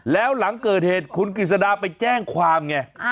แล้วหลังเกิดเหตุคุณกฤษดาไปแจ้งความไง